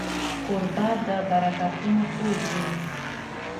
کوربه د برکتونو کور وي.